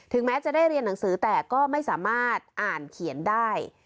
แม้จะได้เรียนหนังสือแต่ก็ไม่สามารถอ่านเขียนได้